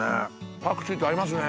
パクチーと合いますね。